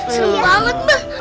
serem banget mba